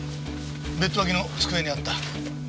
ベッド脇の机にあった。